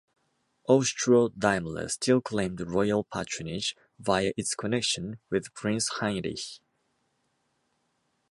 Austro-Daimler still claimed Royal patronage via its connection with Prince Heinrich.